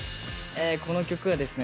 この曲はですね